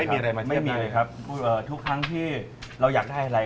ไม่มีอะไรมาเทียบได้ไม่มีเลยครับเอ่อทุกครั้งที่เราอยากได้อะไร